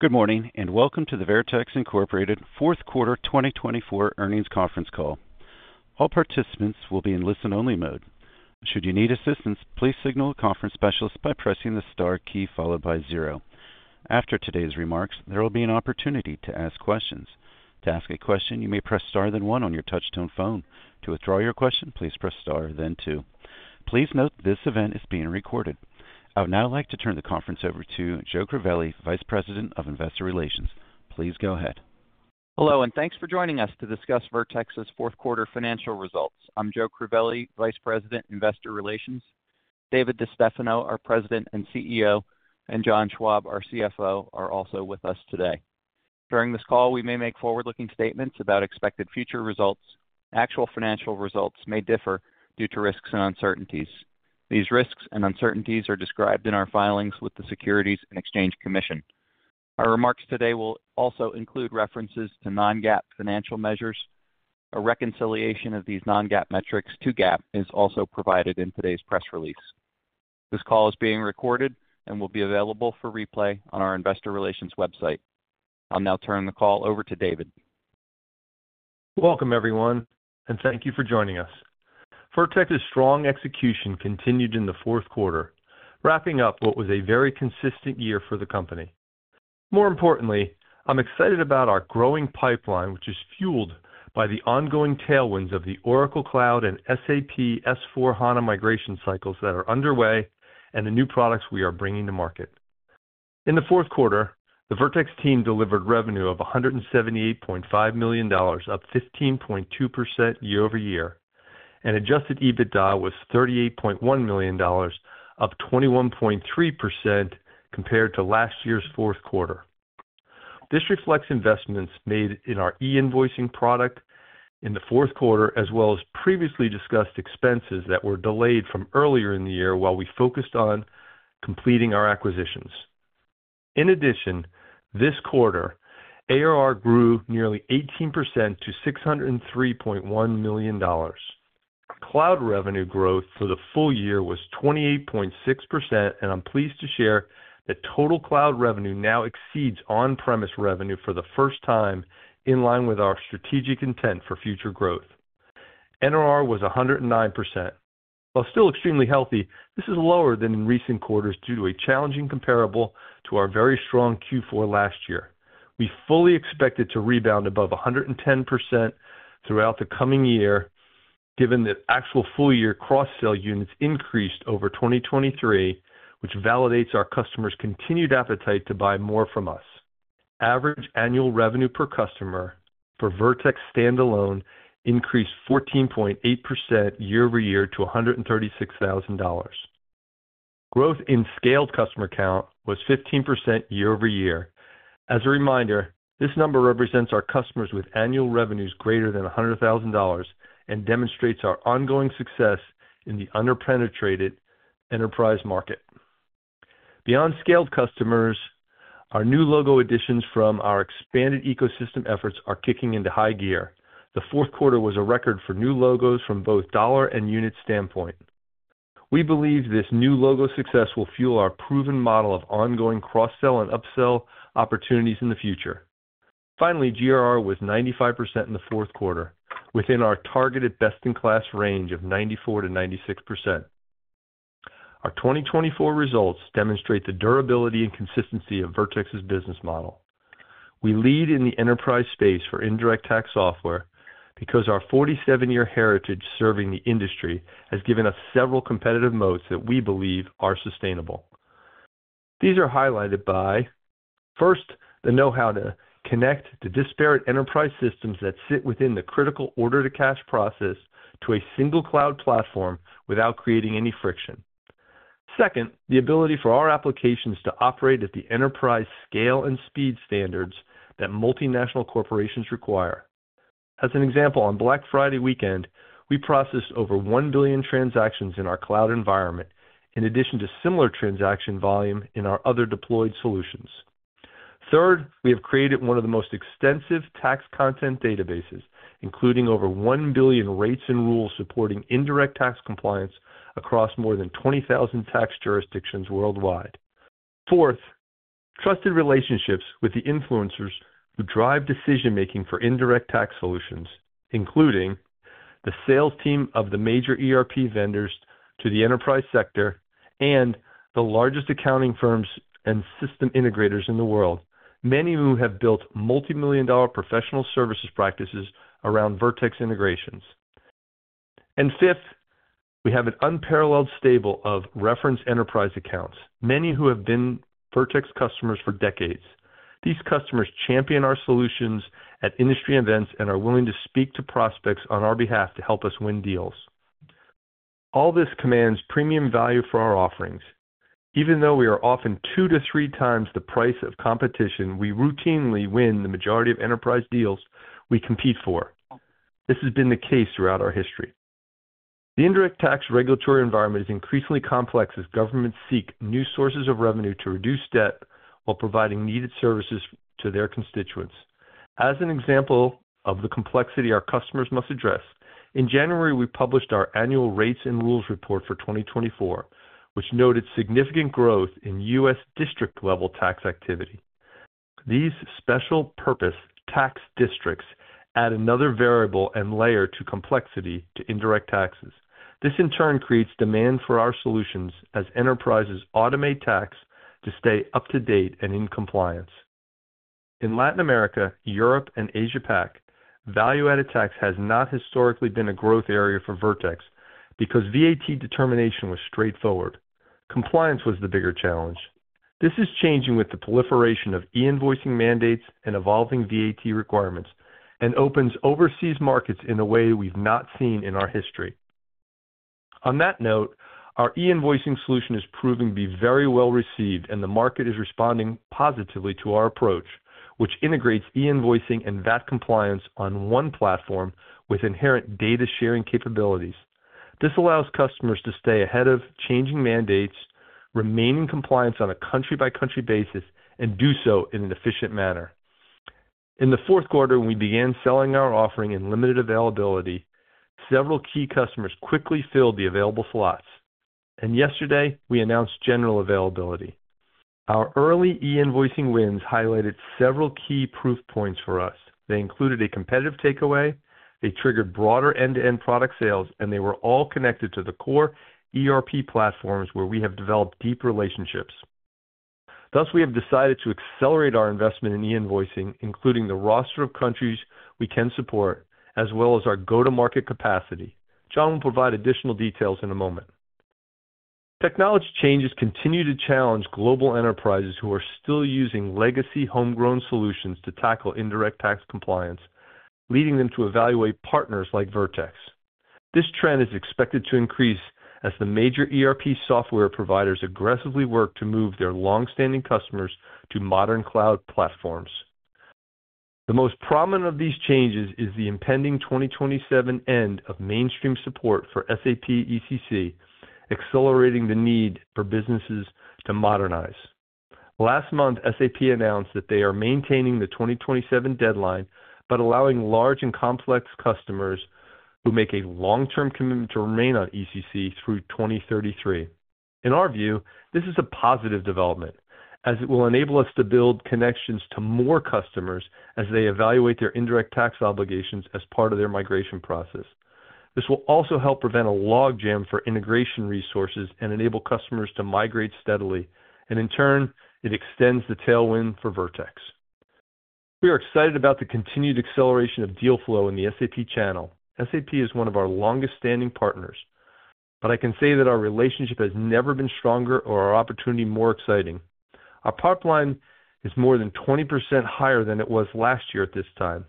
Good morning and welcome to the Vertex, Inc Fourth Quarter 2024 Earnings Conference Call. All participants will be in listen only mode. Should you need assistance, please signal a conference specialist by pressing the Star key followed by zero. After today's remarks, there will be an opportunity to ask questions. To ask a question, you may press Star then one on your touchtone phone. To withdraw your question, please press Star then two. Please note this event is being recorded. I would now like to turn the conference over to Joe Crivelli, Vice President of Investor Relations. Please go ahead. Hello and thanks for joining us to discuss Vertex's fourth quarter financial results. I'm Joe Crivelli, Vice President, Investor Relations. David DeStefano, our President and CEO and. John Schwab, our CFO, is also with us today. During this call we may make forward. Forward-looking statements about expected future results. Actual financial results may differ due to risks and uncertainties. These risks and uncertainties are described in. Our filings with the Securities and Exchange Commission. Our remarks today will also include references. To non-GAAP financial measures. A reconciliation of these non-GAAP metrics to GAAP is also provided in today's press release. This call is being recorded and will. Be available for replay on our investor relations website. I'll now turn the call over to. David. Welcome everyone and thank you for joining us. Vertex's strong execution continued in the fourth quarter, wrapping up what was a very consistent year for the company. More importantly, I'm excited about our growing pipeline which is fueled by the ongoing tailwinds of the Oracle Cloud and SAP S/4HANA migration cycles that are underway and the new products we are bringing to market. In the fourth quarter, the Vertex team delivered revenue of $178.5 million, up 15.2% year over year, and adjusted EBITDA was $38.1 million, up 21.3% compared to last year's fourth quarter. This reflects investments made in our e-invoicing product in the fourth quarter, as well as previously discussed expenses that were delayed from earlier in the year while we focused on completing our acquisitions. In addition, this quarter ARR grew nearly 18% to $603.1 million. Cloud revenue growth for the full year was 28.6%, and I'm pleased to share that total cloud revenue now exceeds on-premise revenue for the first time, in line with our strategic intent for future growth. NRR was 109%. While still extremely healthy, this is lower than in recent quarters due to a challenging comparable to our very strong Q4 last year. We fully expect it to rebound above 110% throughout the coming year given that actual full year cross-sell units increased over 2023, which validates our customers' continued appetite to buy more from us. Average annual revenue per customer for Vertex standalone increased 14.8% year over year to $136,000. Growth in scaled customer count was 15% year over year. As a reminder, this number represents our customers with annual revenues greater than $100,000 and demonstrates our ongoing success in the underpenetrated enterprise market. Beyond scaled customers, our new logo additions from our expanded ecosystem efforts are kicking into high gear. The fourth quarter was a record for new logos from both dollar and unit standpoint. We believe this new logo success will fuel our proven model of ongoing cross sell and upsell opportunities in the future. Finally, GRR was 95% in the fourth quarter within our targeted best-in-class range of 94%-96%. Our 2024 results demonstrate the durability and consistency of Vertex's business model we lead in the enterprise space for indirect tax software because our 47-year heritage serving the industry has given us several competitive moats that we believe are sustainable. These are highlighted by first, the know-how to connect to disparate enterprise systems that sit within the critical order to cash process to a single cloud platform without creating any friction. Second, the ability for our applications to operate at the enterprise scale and speed standards that multinational corporations require. As an example, on Black Friday weekend, we processed over one billion transactions in our cloud environment in addition to similar transaction volume in our other deployed solutions. Third, we have created one of the most extensive tax content databases, including over one billion rates and rules supporting indirect tax compliance across more than 20,000 tax jurisdictions worldwide. Fourth, trusted relationships with the influencers who drive decision making for indirect tax solutions, including the sales team of the major ERP vendors to the enterprise sector and the largest accounting firms and system integrators in the world, many who have built multimillion dollar professional services practices around Vertex integrations. And fifth, we have an unparalleled stable of reference enterprise accounts, many who have been Vertex customers for decades. These customers champion our solutions at industry events and are willing to speak to prospects on our behalf to help us win deals. All this commands premium value for our offerings. Even though we are often two to three times the price of competition, we routinely win the majority of enterprise deals we compete for. This has been the case throughout our history. The indirect tax regulatory environment is increasingly complex as governments seek new sources of revenue to reduce debt while providing needed services to their constituents. As an example of the complexity our customers must address, in January we published our annual Rates and Rules report for 2024 which noted significant growth in U.S. district level tax activity. These special purpose tax districts add another variable and layer to complexity to indirect taxes. This in turn creates demand for our solutions as enterprises automate tax to stay up to date and in compliance in Latin America, Europe and Asia-Pac value-added tax has not historically been a growth area for Vertex. Because VAT determination was straightforward, compliance was the bigger challenge. This is changing with the proliferation of e-invoicing mandates and evolving VAT requirements and opens overseas markets in a way we've not seen in our history. On that note, our e-invoicing solution is proving to be very well received and the market is responding positively to our approach which integrates e-invoicing and VAT compliance on one platform with inherent data sharing capabilities. This allows customers to stay ahead of changing mandates, remain in compliance on a country by country basis and do so in an efficient manner. In the fourth quarter we began selling our offering in limited availability. Several key customers quickly filled the available slots and yesterday we announced general availability. Our early e-invoicing wins highlighted several key proof points for us. They included a competitive takeaway, they triggered broader end-to-end product sales and they were all connected to the core ERP platforms where we have developed deep relationships. Thus, we have decided to accelerate our investment in e-invoicing, including the roster of countries we can support as well as our go-to-market capacity. John will provide additional details in a moment. Technology changes continue to challenge global enterprises who are still using legacy homegrown solutions to tackle indirect tax compliance, leading them to evaluate partners like Vertex. This trend is expected to increase as the major ERP software providers aggressively work to move their long-standing customers to modern cloud platforms. The most prominent of these changes is the impending 2027 end of mainstream support for SAP ECC, accelerating the need for businesses to modernize. Last month SAP announced that they are maintaining the 2027 deadline but allowing large and complex customers who make a long-term commitment to remain on ECC through 2033. In our view this is a positive development as it will enable us to build connections to more customers as they evaluate their indirect tax obligations as part of their migration process. This will also help prevent a logjam for integration resources and enable customers to migrate steadily and in turn it extends the tailwind for Vertex. We are excited about the continued acceleration of deal flow in the SAP channel. SAP is one of our long-standing partners, but I can say that our relationship has never been stronger or our opportunity more exciting. Our pipeline is more than 20% higher than it was last year at this time,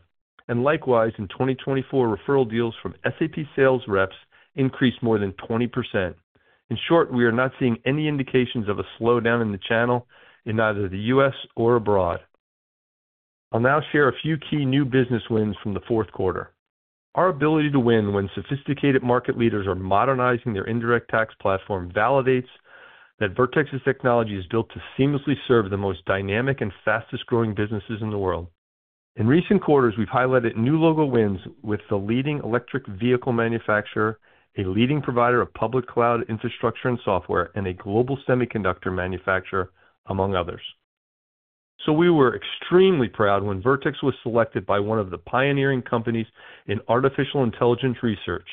and likewise in 2024, referral deals from SAP sales reps increased more than 20%. In short, we are not seeing any indications of a slowdown in the channel in either the U.S. or abroad. I'll now share a few key new business wins from the fourth quarter. Our ability to win when sophisticated market leaders are modernizing their indirect tax platform validates that Vertex's technology is built to seamlessly serve the most dynamic and fastest growing businesses in the world. In recent quarters we've highlighted new logo wins with the leading electric vehicle manufacturer, a leading provider of public cloud infrastructure and software, and a global semiconductor manufacturer, among others. We were extremely proud when Vertex was selected by one of the pioneering companies in artificial intelligence research,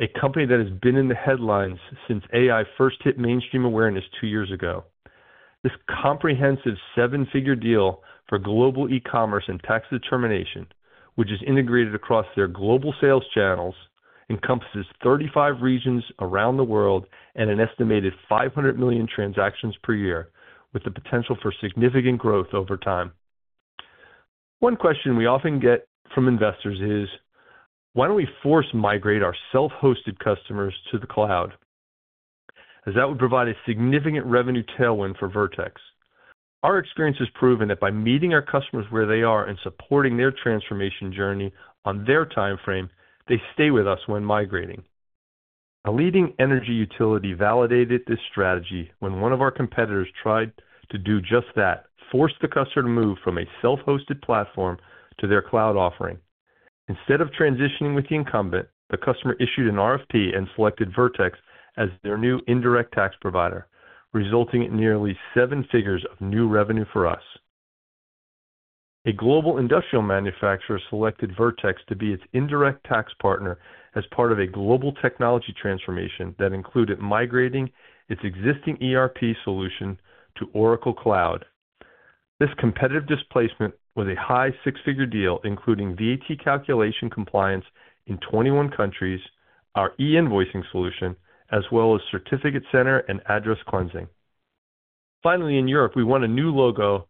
a company that has been in the headlines since AI first hit mainstream awareness two years ago. This comprehensive seven-figure deal for global e-commerce and tax determination, which is integrated across their global sales channels, encompasses 35 regions around the world and an estimated 500 million transactions per year with the potential for significant growth over time. One question we often get from investors is why don't we force migrate our self-hosted customers to the cloud as that would provide a significant revenue tailwind for Vertex. Our experience has proven that by meeting our customers where they are and supporting their transformation journey on their timeframe, they stay with us when migrating. A leading energy utility validated this strategy when one of our competitors tried to do just that, force the customer to move from a self-hosted platform to their cloud offering. Instead of transitioning with the incumbent, the customer issued an RFP and selected Vertex as their new indirect tax provider, resulting in nearly seven figures of new revenue for us. A global industrial manufacturer selected Vertex to be its indirect tax partner as part of a global technology transformation that included migrating its existing ERP solution to Oracle Cloud. This competitive displacement was a high six-figure deal including VAT calculation compliance in 21 countries, our e-invoicing solution as well as Certificate Center and Address Cleansing. Finally, in Europe, we won a new logo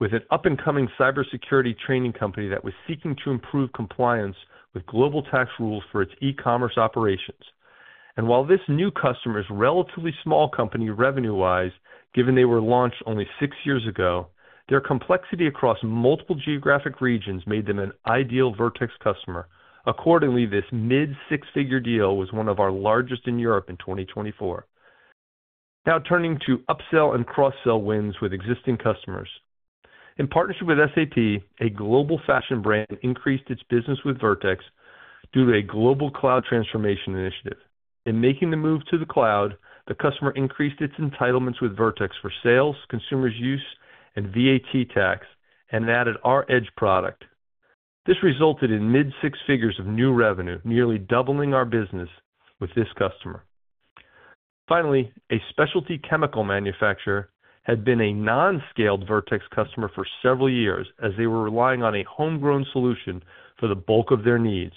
with an up-and-coming cybersecurity training company that was seeking to improve compliance with global tax rules for its e-commerce operations. While this new customer is a relatively small company revenue-wise, given they were launched only six years ago, their complexity across multiple geographic regions made them an ideal Vertex customer. Accordingly, this mid-six-figure deal was one of our largest in Europe in 2024. Now turning to upsell and cross-sell wins with existing customers. In partnership with SAP, a global fashion brand increased its business with Vertex due to a global cloud transformation initiative. In making the move to the cloud, the customer increased its entitlements with Vertex for sales and use and VAT tax and added our Edge product. This resulted in mid-six figures of new revenue, nearly doubling our business with this customer. Finally, a specialty chemical manufacturer had been a non-scaled Vertex customer for several years as they were relying on a homegrown solution for the bulk of their needs.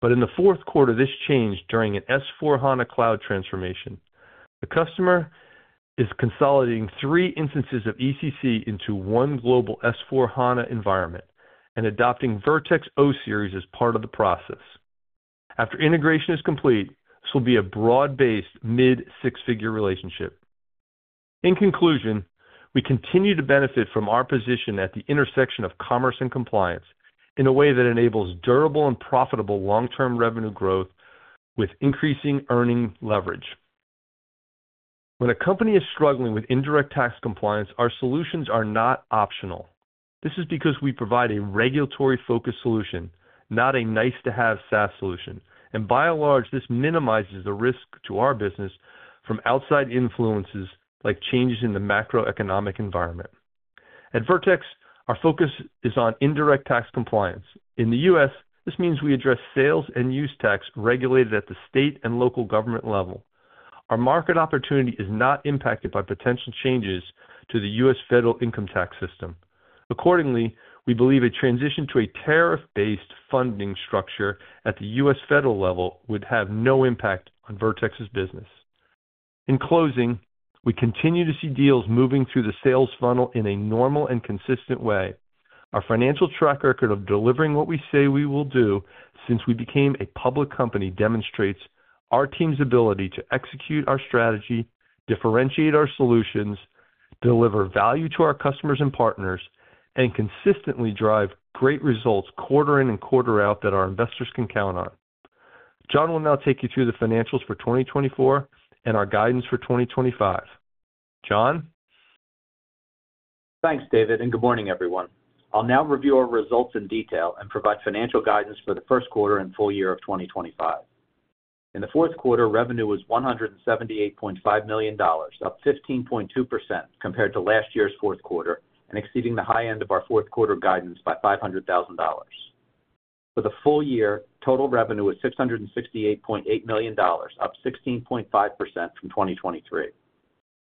But in the fourth quarter this changed. During an S/4HANA cloud transformation, the customer is consolidating three instances of ECC into one global S/4HANA environment and adopting Vertex O Series as part of the process. After integration is complete, this will be a broad-based mid-six-figure relationship. In conclusion, we continue to benefit from our position at the intersection of commerce and compliance and in a way that enables durable and profitable long-term revenue growth with increasing earning leverage. When a company is struggling with indirect tax compliance, our solutions are not optional. This is because we provide a regulatory focused solution, not a nice to have SaaS solution, and by and large this minimizes the risk to our business from outside influences like changes in the macroeconomic environment. At Vertex, our focus is on indirect tax compliance. In the U.S. this means we address sales and use tax regulated at the state and local government level. Our market opportunity is not impacted by potential changes to the U.S. federal income tax system. Accordingly, we believe a transition to a tariff based funding structure at the U.S. federal level would have no impact on Vertex's business. In closing, we continue to see deals moving through the sales funnel in a normal and consistent way. Our financial track record of delivering what we say we will do since we became a public company demonstrates our team's ability to execute our strategy, differentiate our solutions, deliver value to our customers and partners, and consistently drive great results quarter in and quarter out that our investors can count on. John will now take you through the financials for 2024 and our guidance for 2025. John. Thanks David and good morning everyone. I'll now review our results in detail and provide financial guidance for the first quarter and full year of 2025. In the fourth quarter revenue was $178.5 million, up 15.2% compared to last year's fourth quarter and exceeding the high end of our fourth quarter guidance by $500,000. For the full year, total revenue was $668.8 million, up 16.5% from 2023.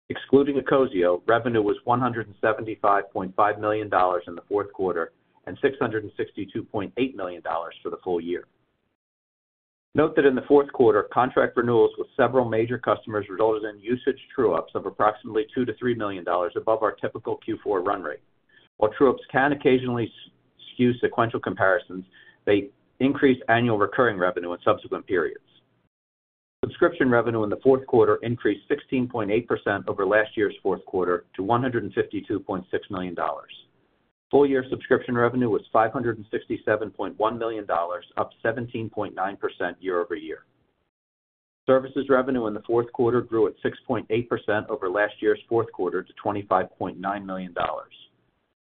Excluding Ecosio revenue was $175.5 million in the fourth quarter and $662.8 million for the full year. Note that in the fourth quarter, contract renewals with several major customers resulted in usage true ups of approximately $2 million-$3 million above our typical Q4 run rate. While true ups can occasionally skew sequential comparisons, they increase annual recurring revenue in subsequent periods. Subscription revenue in the fourth quarter increased 16.8% over last year's fourth quarter to $152.6 million. Full year subscription revenue was $567.1 million, up 17.9% year over year. Services revenue in the fourth quarter grew at 6.8% over last year's fourth quarter to $25.9 million.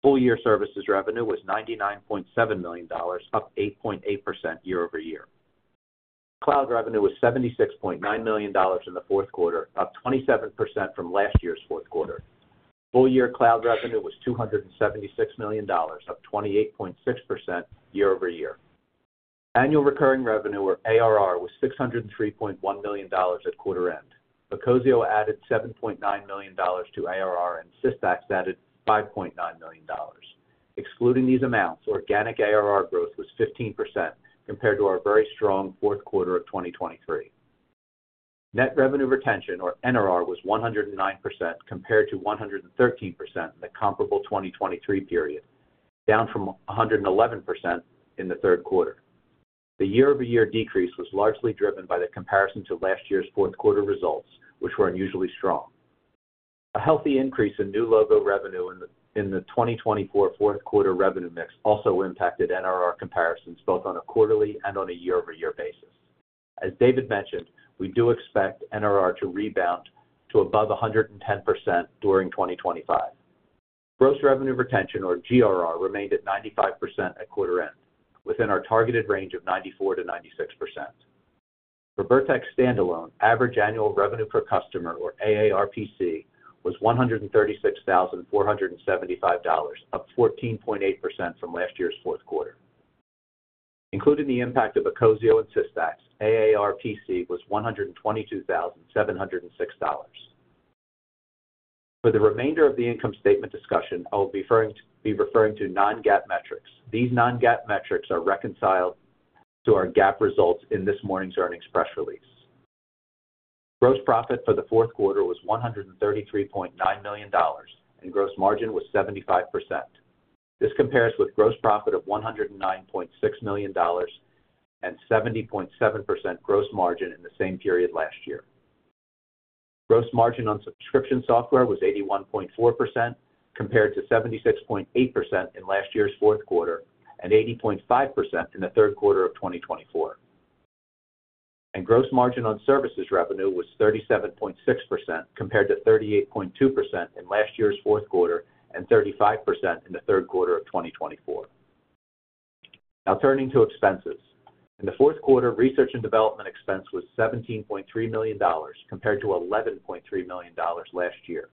Full year services revenue was $99.7 million, up 8.8% year over year. Cloud revenue was $76.9 million in the fourth quarter, up 27% from last year's fourth quarter. Full year cloud revenue was $276 million, up 28.6% year over year. Annual recurring revenue or ARR was $603.1 million at quarter end. Ecosio added $7.9 million to ARR and Systax added $5.9 million. Excluding these amounts, organic ARR growth was 15% compared to our very strong fourth quarter of 2023. Net revenue retention or NRR was 109% compared to 113% in the comparable 2023 period, down from 111% in the third quarter. The year over year decrease was largely driven by the comparison to last year's fourth quarter results which were unusually strong. A healthy increase in new logo revenue in the 2024 fourth quarter revenue mix also impacted NRR comparisons both on a quarterly and on a year over year basis. As David mentioned, we do expect NRR to rebound to above 110% during 2025. Gross revenue retention or GRR remained at 95% at quarter end within our targeted range of 94%-96% for Vertex standalone average annual revenue per customer or AARPC was $136,475, up 14.8% from last year's fourth quarter. Including the impact of Ecosio and Systax, AARPC was $122,706. For the remainder of the income statement discussion, I will be referring to non-GAAP metrics. These non-GAAP metrics are reconciled to our GAAP results in this morning's earnings press release. Gross profit for the fourth quarter was $133.9 million and gross margin was 75%. This compares with gross profit of $109.6 million and 70.7% gross margin in the same period last year. Gross margin on subscription software was 81.4% compared to 76.8% in last year's fourth quarter and 80.5% in the third quarter of 2024, and gross margin on services revenue was 37.6% compared to 38.2% in last year's fourth quarter and 35% in the third quarter of 2024. Now turning to expenses in the fourth quarter, research and development expense was $17.3 million compared to $11.3 million last year.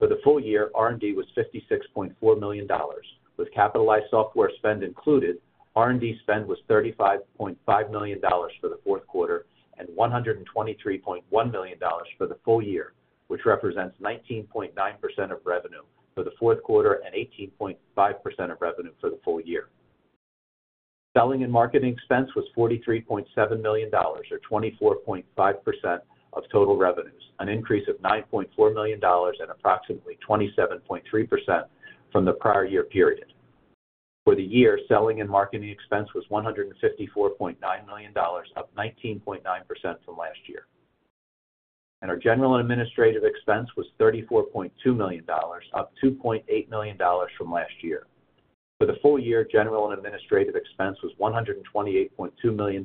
For the full year, R&D was $56.4 million, with capitalized software spend included. R&D spend was $35.5 million for the fourth quarter and $123.1 million for the full year, which represents 19.9% of revenue for the fourth quarter and 18.5% of revenue for the full year. Selling and marketing expense was $43.7 million, or 24.5% of total revenues, an increase of $9.4 million and approximately 27.3% from the prior year period. For the year, selling and marketing expense was $154.9 million, up 19.9% from last year, and our general and administrative expense was $34.2 million, up $2.8 million from last year. For the full year, general and administrative expense was $128.2 million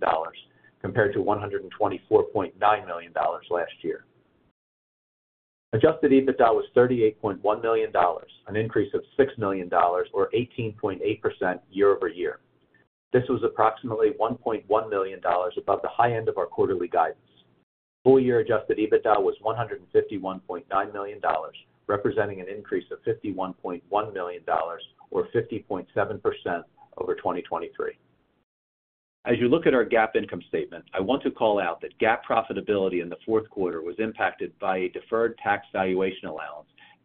compared to $124.9 million last year. Adjusted EBITDA was $38.1 million, an increase of $6 million or 18.8% year over year. This was approximately $1.1 million above the high end of our quarterly guidance. Full year adjusted EBITDA was $151.9 million, representing an increase of $51.1 million or 50.7% over 2023. As you look at our GAAP income statement, I want to call out that GAAP profitability in the fourth quarter was impacted by a defer.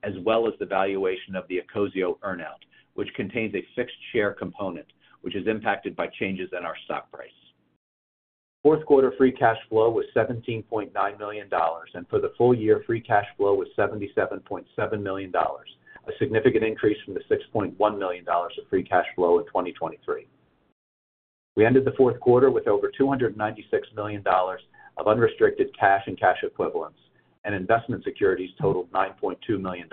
As well as the valuation of the Ecosio earnout which contains a fixed share component which is impacted by changes in our stock price. Fourth quarter free cash flow was $17.9 million and for the full year free cash flow was $77.7 million, a significant increase from the $6.1 million of free cash flow in 2023. We ended the fourth quarter with over $296 million of unrestricted cash and cash equivalents, and investment securities totaled $9.2 million.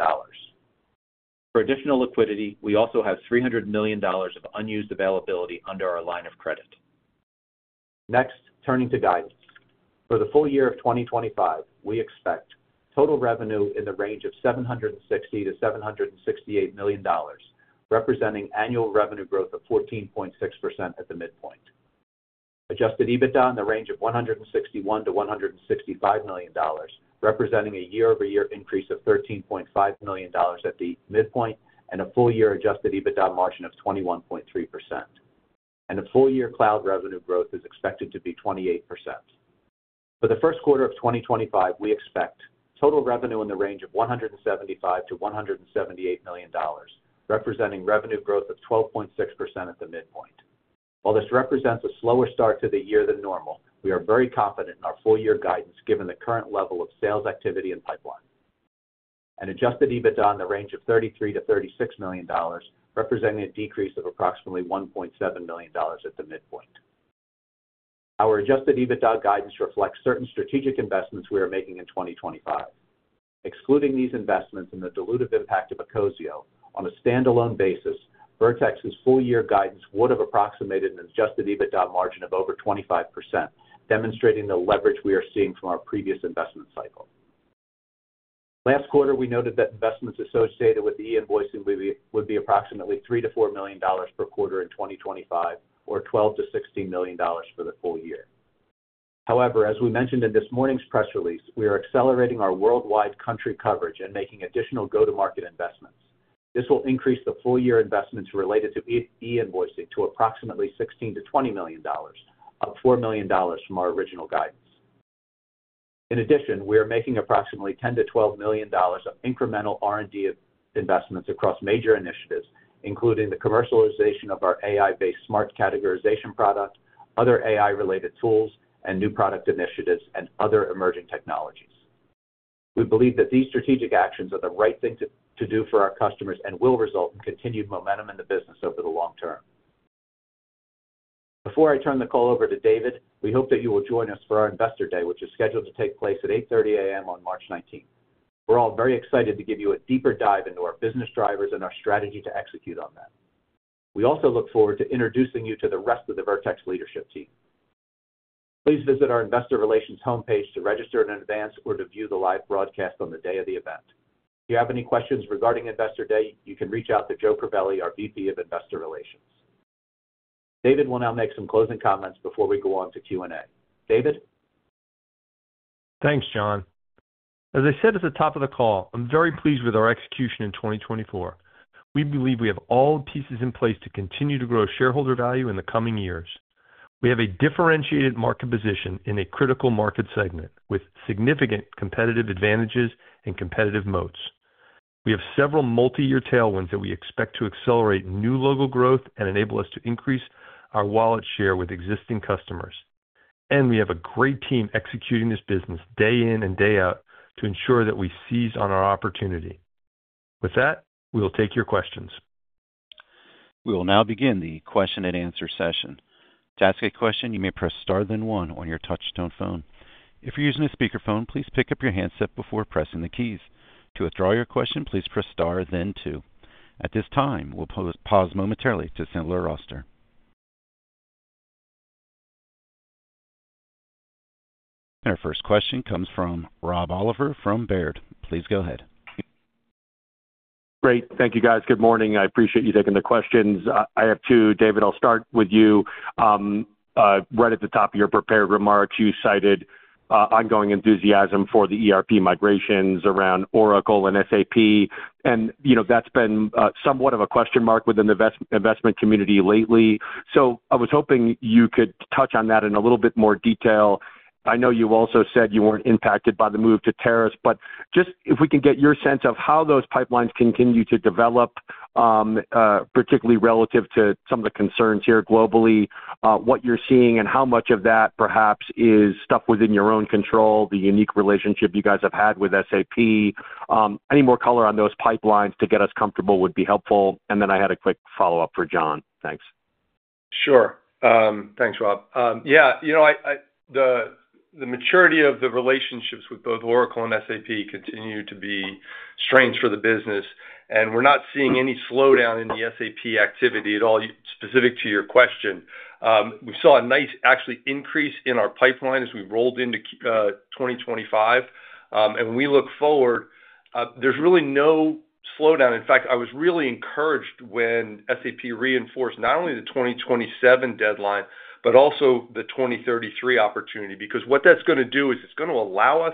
For additional liquidity, we also have $300 million of unused availability under our line of credit. Next, turning to guidance for the full year of 2025, we expect total revenue in the range of $760 million-$768 million, representing annual revenue growth of 14.6% at the midpoint. Adjusted EBITDA in the range of $161 million-$165 million, representing a year-over-year increase of $13.5 million at the midpoint and a full year adjusted EBITDA margin of 21.3%. And the full year cloud revenue growth is expected to be 28%. For the first quarter of 2025, we expect total revenue in the range of $175 million-$178 million, representing revenue growth of 12.6% at the midpoint. While this represents a slower start to the year than normal, we are very confident in our full year guidance given the current level of sales activity and pipeline and adjusted EBITDA in the range of $33 million-$36 million, representing a decrease of approximately $1.7 million at the midpoint. Our Adjusted EBITDA guidance reflects certain strategic investments we are making in 2025, excluding these investments and the dilutive impact of Ecosio on a standalone basis, Vertex's full-year guidance would have approximated an Adjusted EBITDA margin of over 25%, demonstrating the leverage we are seeing from our previous investment cycle. Last quarter we noted that investments associated with the e-invoicing would be approximately $3 million-$4 million per quarter in 2025 or $12 million-$16 million for the full year. However, as we mentioned in this morning's press release, we are accelerating our worldwide country coverage and making additional go-to-market investments. This will increase the full-year investments related to e-invoicing to approximately $16 million-$20 million of $4 million from our original guidance. In addition, we are making approximately $10 million-$12 million of incremental R&D investments across major initiatives including the commercialization of our AI-based Smart Categorization product, other AI-related tools and new product initiatives and other emerging technologies. We believe that these strategic actions are the right thing to do for our customers and will result in continued momentum in the business over the long term. Before I turn the call over to David, we hope that you will join us for our Investor Day which is scheduled to take place at 8:30AM on March 19. We're all very excited to give you a deeper dive into our business drivers and our strategy to execute on that. We also look forward to introducing you to the rest of the Vertex leadership team. Please visit our investor relations homepage to register in advance or to view the live broadcast on the day of the event. If you have any questions regarding Investor Day, you can reach out to Joe Crivelli, our VP of Investor Relations. David will now make some closing comments before we go on to Q&A. David? Thanks John. As I said at the top of the call, I'm very pleased with our execution in 2024. We believe we have all pieces in place to continue to grow shareholder value in the coming years. We have a differentiated market position in a critical market segment with significant competitive advantages and competitive moats. We have several multi year tailwinds that we expect to accelerate new logo growth and enable us to increase our wallet share with existing customers, and we have a great team executing this business day in and day out to ensure that we seize on our opportunity. With that, we will take your. Questions. We will now begin the question and answer session. To ask a question, you may press star then one on your touch tone phone. If you're using a speakerphone, please pick up your handset before pressing the keys. To withdraw your question, please press star then two. At this time, we'll pause momentarily to assemble our roster. Our first question comes from Rob Oliver from Baird. Please go. Ahead. Great. Thank you guys. Good morning. I appreciate you taking the questions. I have two. David, I'll start with you right at the top of your prepared remarks. You cited ongoing enthusiasm for the ERP migrations around Oracle and SAP. And you know, that's been somewhat of a question mark within the investment community lately, so I was hoping you could touch on that in a little bit more detail. I know you also said you weren't impacted by the move to tariffs, but just if we can get your sense of how those pipelines continue to develop, particularly relative to some of the concerns here globally. What you're seeing and how much of that perhaps is stuff within your own control. The unique relationship you guys have had with SAP, any more color on those pipelines to get us comfortable would be helpful. I had a quick follow-up for. John. Thanks. Sure. Thanks, Rob. Yeah, you know, the maturity of the relationships with both Oracle and SAP continue to be strengths for the business and we're not seeing any slowdown in the SAP activity at all. Specific to your question, we saw a nice, actually, increase in our pipeline as we rolled into 2025, and when we look forward, there's really no slowdown. In fact, I was really encouraged when SAP reinforced not only the 2027 deadline, but also the 2033 opportunity. Because what that's going to do is it's going to allow us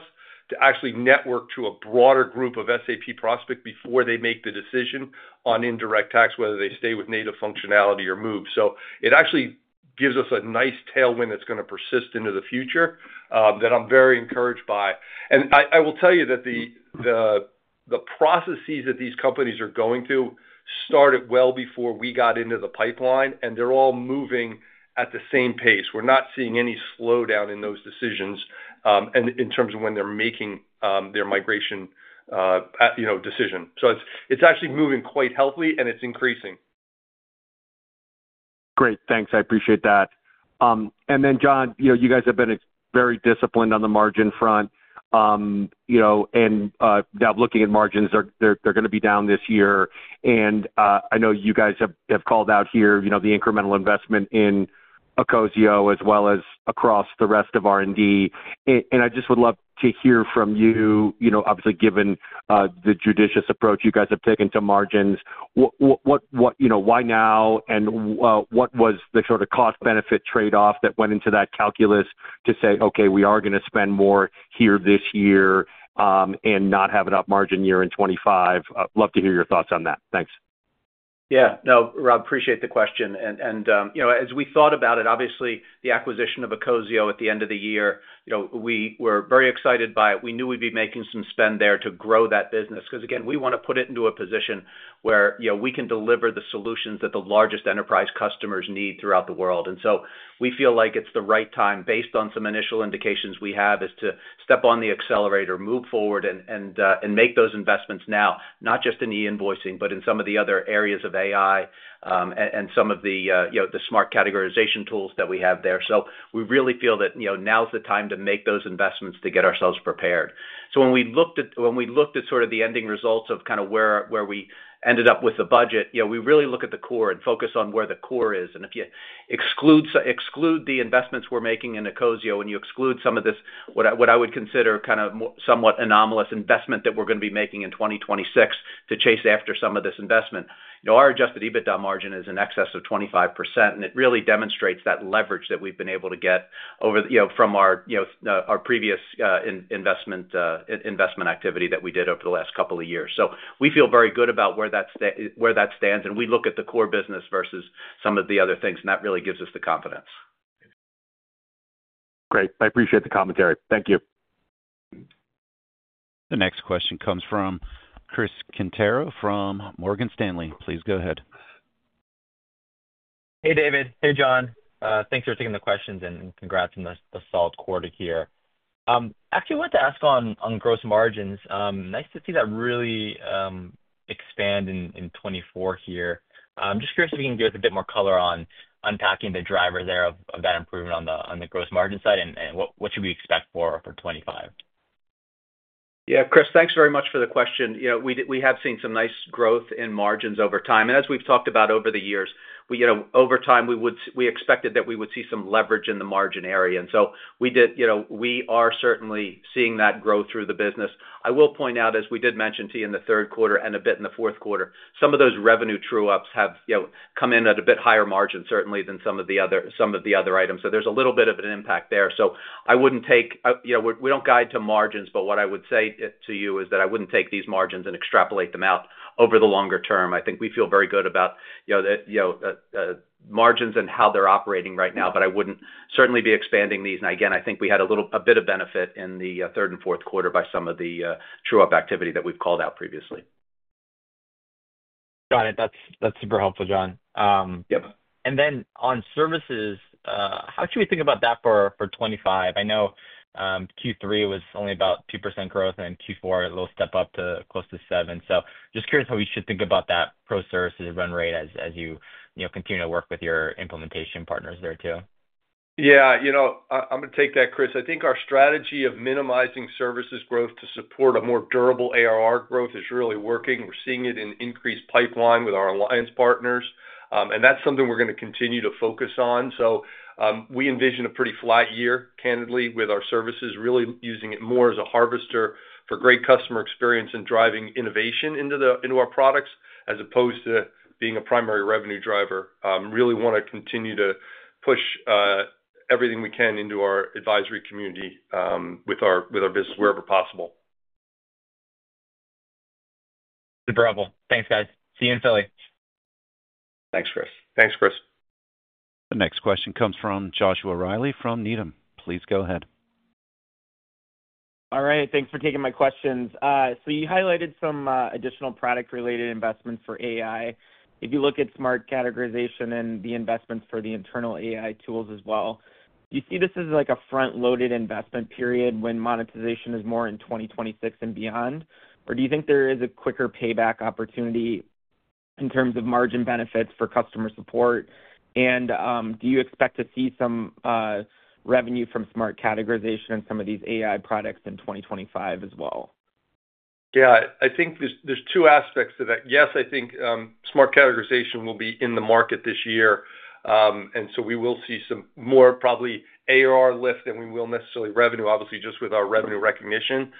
to actually market to a broader group of SAP prospects before they make the decision on indirect tax, whether they stay with native functionality or move. So it actually gives us a nice tailwind that's going to persist into the future that I'm very encouraged by. And I will tell you that the processes that these companies are going through started well before we got into the pipeline and they're all moving at the same pace. We're not seeing any slowdown in those decisions in terms of when they're making their migration decision. So it's actually moving quite healthily and it's increasing. Great. Thanks. I appreciate that. And then, John, you guys have been very disciplined on the margin front, you know, and now looking at margins, they're going to be down this year. And I know you guys have called out here, you know, the incremental investment in Ecosio as well as across the rest of R&D. And I just would love to hear from you. You know, obviously, given the judicious approach you guys have taken to margins. What, you know, why now? And what was the sort of cost benefit trade off that went into that calculus to say, okay, we are going to spend this year and not have an up margin year in 2025. Love to hear your thoughts on that. Thanks. Yeah, no, Rob, appreciate the question. And as we thought about it, obviously the acquisition of Ecosio at the. End of the year, we were very excited by. We knew we'd be making some spend there to grow that business because. Again, we want to put it into. A position where we can deliver the solutions that the largest enterprise customers need throughout the world. And so we feel like it's the right time, based on some initial indications we have, is to step on the accelerator, move forward and make those investments now, not just in e-invoicing, but in some of the other areas of AI and some of the smart categorization tools that we have there. So we really feel that now's the time to make those investments, to get ourselves prepared. So when we looked at sort of the ending results of kind of where we ended up with the budget, we really look at the core and. Focus on where the core. And if you exclude the investments we're making in AI code and you exclude some of this, what I would consider kind of somewhat anomalous investment that we're going to be making in 2026 to chase after some of this investment. Our adjusted EBITDA margin is in excess of 25%. And it really demonstrates that leverage that we've been able to get over, you know, from our, you know, our previous investment activity that we did. Over the last couple of. Years. So we feel very good about where that stands and we look at the core business versus some of the other things and that really gives us the. Confidence. Great. I appreciate the. Commentary. Thank. You. The next question comes from Chris Quintero from Morgan Stanley. Please go. Ahead. Hey. David. Hey. John. Thanks for taking the questions and congrats on the solid quarter here. Actually, I wanted to ask on gross margins, nice to see that really expand in 2024 here. Just curious if you can give us a bit more color on unpacking the driver there of that improvement on the gross margin side and what should we expect for? 2025? Yeah, Chris, thanks very much for the question. We have seen some nice growth in margins over time. And as we've talked about over the years, over time we expected that we would see some leverage in the margin area. And so we are certainly seeing. That growth through the. Business. I will point out, as we did mention to you in the third quarter and a bit in the fourth quarter, some of those revenue true ups have come in at a bit higher margin certainly than some of the other items. So there's a little bit of an impact there. So I wouldn't take we don't guide to margins, but what I would say to you is that I wouldn't take these margins and extrapolate them out over the longer term. I think we feel very good about. Margins and how they're operating right now, but I wouldn't certainly be expanding these, and again, I think we had a little bit of benefit in the third and fourth quarter by some of the true-up activity that we've called out. Previously. Got it. That's, that's super helpful, John. Yep. And then on services, how should we think about that for 25? I know Q3 was only about 2% growth and Q4 a little step up to close to 7%. So just curious how we should think about that Pro Services run rate as you continue to work with your implementation partners there. Yeah, you know, I'm going to take that, Chris. I think our strategy of minimizing services growth to support a more durable ARR growth is really working. We're seeing it in increased pipeline with our alliance partners and that's something we're going to continue to focus on. So we envision a pretty flat year candidly with our services, really using it more as a harvester for great customer experience and driving innovation into our products as opposed to being a primary revenue driver. Really want to continue to push everything we can into our advisory community with our business wherever. Possible. Super helpful. Thanks guys. See you in. Philly. Thanks. Chris. Thanks. Chris. The next question comes from Joshua Reilly from Needham. Please go. Ahead. All right, thanks for taking my questions. So you highlighted some additional product related investments for AI. If you look at Smart Categorization and the investments for the internal AI tools as well, you see this is like a front loaded investment period when monetization is more in 2026 and beyond. Or do you think there is a quicker payback opportunity in terms of margin benefits for customer support? And do you expect to see some revenue from Smart Categorization in some of these AI products in 2025 as. Yeah, I think there's two aspects to that. Yes, I think smart categorization will be in the market this year and so we will see some more probably ARR lift than we will necessarily revenue, obviously just with our revenue recognition.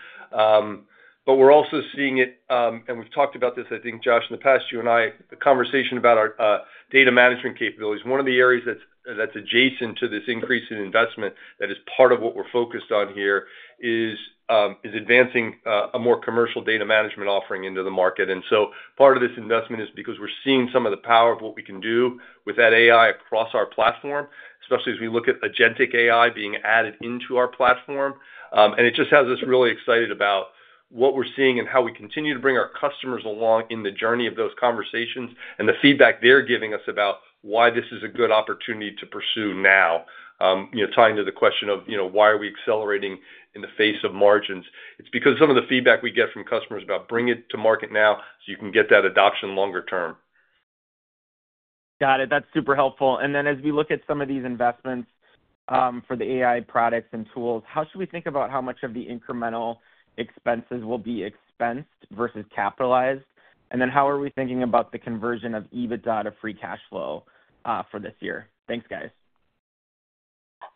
But we're also seeing it and we've talked about this, I think, Josh, in the past, you and I, the conversation about our data management capabilities. One of the areas that's adjacent to this increase in investment that is part of what we're focused on here is advancing a more commercial data management offering into the market. And so part of this investment is because we're seeing some of the power of what we can do with that AI across our platform, especially as we look at agentic AI being added into our platform. And it just has us really excited about what we're seeing and how we continue to bring our customers along in the journey of those conversations and the feedback they're giving us about why this is a good opportunity to pursue. Now tying to the question of why are we accelerating in the face of margins? It's because some of the feedback we get from customers about bring it to market now so you can get that adoption longer. Term. Got. It. That's super. Helpful. And then as we look at some of these investments for the AI products and tools, how should we think about how much of the incremental expenses will be expensed versus capitalized? And then how are we thinking about the conversion of EBITDA to free cash flow for this year? Thanks. Guys.